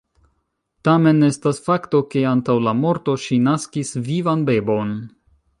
Tamen estas fakto, ke antaŭ la morto ŝi naskis vivan bebon.